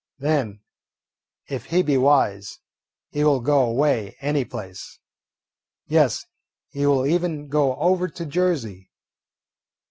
Then, if he be wise, he will go away, any place, yes, he will even go over to Jersey.